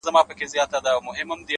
o هو رشتيا ـ